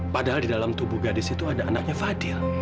padahal di dalam tubuh gadis itu ada anaknya fadil